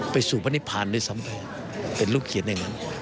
ไปสู่พนิพานด้วยซ้ำไปเป็นลูกเขียนอย่างนั้น